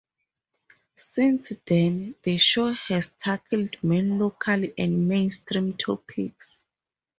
Since then, the show has tackled many local and mainstream topics.